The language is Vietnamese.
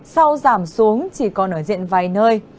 sau giảm xuống chỉ còn ở diện vài nơi